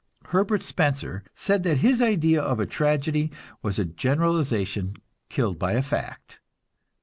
Herbert Spencer said that his idea of a tragedy was a generalization killed by a fact.